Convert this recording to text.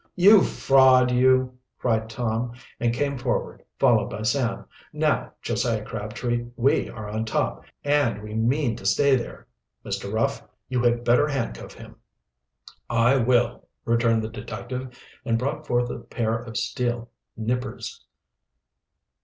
"You fraud, you!" cried Tom, and came forward, followed by Sam. "Now, Josiah Crabtree, we are on top, and we mean to stay there. Mr. Ruff, you had better handcuff him." "I will," returned the detective, and brought forth a pair of steel "nippers."